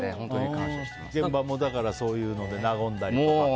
現場もそういうので和んだりとか。